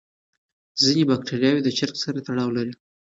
ځینې بکتریاوې د چرګ سره تړاو لري.